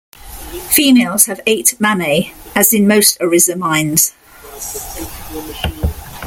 Females have eight mammae, as in most oryzomyines.